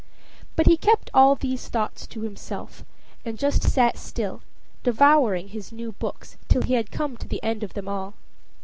But he kept all these thoughts to himself, and just sat still, devouring his new books till he had come to the end of them all.